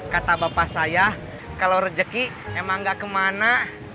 kata bapak saya kalau rezeki emang gak kemana